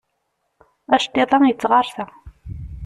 Aceṭṭiḍ-a yettɣersa.